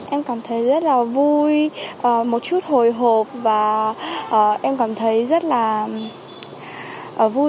em cảm thấy rất là vui một chút hồi hộp và em cảm thấy rất là vui